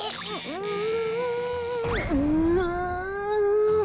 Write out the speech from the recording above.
うん。